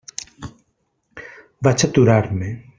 Vaig aturar-me.